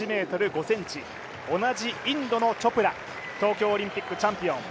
同じインドのチョプラ、東京オリンピックチャンピオン。